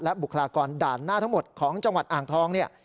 บุคลากรด่านหน้าทั้งหมดของจังหวัดอ่างทองเนี่ย